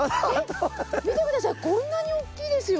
見て下さいこんなにおっきいですよ！